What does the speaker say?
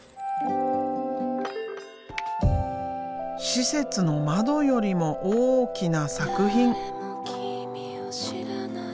施設の窓よりも大きな作品。